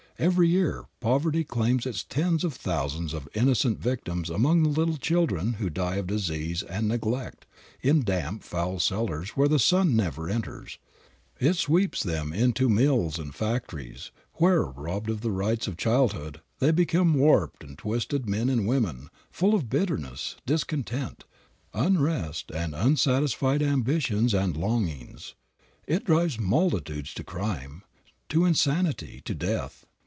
Every year poverty claims its tens of thousands of innocent victims among the little children who die of disease and neglect in damp, foul cellars where the sun never enters. It sweeps them into mills and factories where, robbed of the rights of childhood, they become warped and twisted men and women, full of bitterness, discontent, unrest and unsatisfied ambitions and longings. It drives multitudes to crime, to insanity, to death.